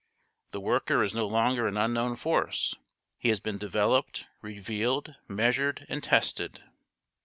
The worker is no longer an unknown force; he has been developed, revealed, measured, and tested.